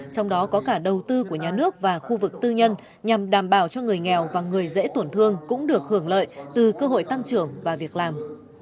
trong đó có cả đầu tư của nhà nước và khu vực tư nhân nhằm đảm bảo cho người nghèo và người dễ tổn thương cũng được hưởng lợi từ cơ hội tăng trưởng và việc làm